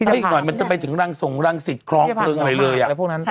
เอ๊ะหน่อยน่ะมันก็จะไปถึงรังสงตร์รังศิษย์ครองเปลืองอะไรเลยอ่ะ